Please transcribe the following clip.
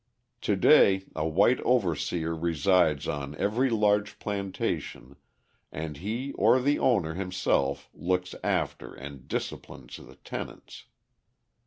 To day a white overseer resides on every large plantation and he or the owner himself looks after and disciplines the tenants.